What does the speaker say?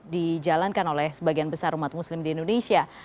dijalankan oleh sebagian besar umat muslim di indonesia